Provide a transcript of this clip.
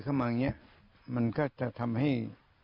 เข้ามาอย่างนี้มันก็จะทำให้